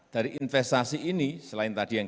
dari investasi ini selain tadi yang